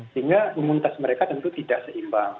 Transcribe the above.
sehingga imunitas mereka tentu tidak seimbang